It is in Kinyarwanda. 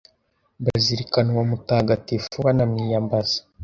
bazirikana uwo mutagatifu, banamwiyambaza